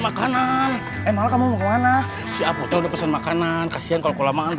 makanan emang kamu mau ke mana siap untuk pesan makanan kasihan kalau lama